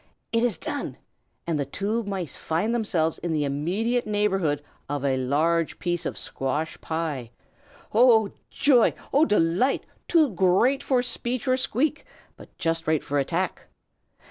It is done, and the two mice find themselves in the immediate neighborhood of a large piece of squash pie. Oh, joy! oh, delight! too great for speech or squeak, but just right for attack.